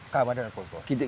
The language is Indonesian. keagamaan dan kultur